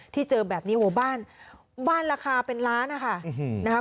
ที่เจอแบบนี้โห้บ้านราคาเป็นล้านนะคะ